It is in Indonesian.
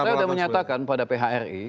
saya sudah menyatakan pada phri